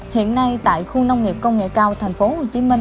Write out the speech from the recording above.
hiện nay tại khu nông nghiệp công nghệ cao tp hcm